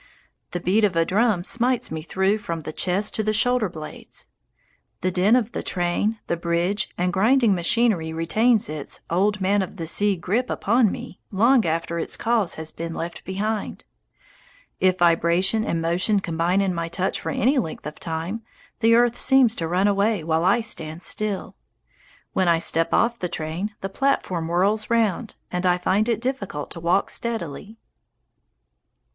The beat of a drum smites me through from the chest to the shoulder blades. The din of the train, the bridge, and grinding machinery retains its "old man of the sea" grip upon me long after its cause has been left behind. If vibration and motion combine in my touch for any length of time, the earth seems to run away while I stand still. When I step off the train, the platform whirls round, and I find it difficult to walk steadily.